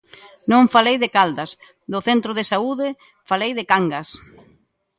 Non falei de Caldas, do centro de saúde, falei de Cangas.